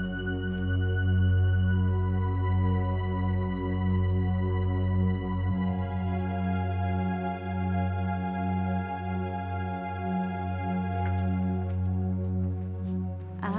tidak ada apa apa